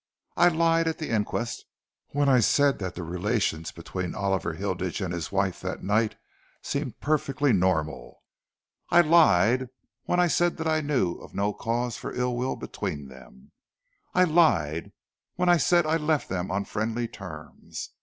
I lied at the inquest when I said that the relations between Oliver Hilditch and his wife that night seemed perfectly normal. I lied when I said that I knew of no cause for ill will between them. I lied when I said that I left them on friendly terms.